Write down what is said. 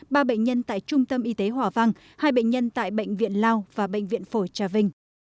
ba bệnh nhân tại trung tâm y tế hòa vang hai bệnh nhân tại bệnh viện lao và bệnh viện phổi trà vinh